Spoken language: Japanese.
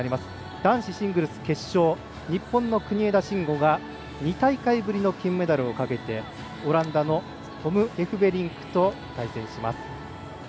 男子シングルス決勝日本の国枝慎吾が２大会ぶりの金メダルをかけてオランダのトム・エフベリンクと戦います。